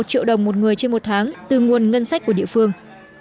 một triệu đồng một người trên một tháng từ nguồn ngân sách của địa phương